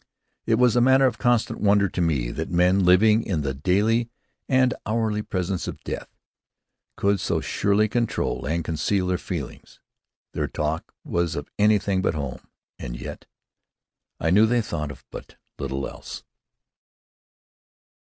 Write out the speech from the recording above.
It was a matter of constant wonder to me that men, living in the daily and hourly presence of death, could so surely control and conceal their feelings. Their talk was of anything but home; and yet, I knew they thought of but little else.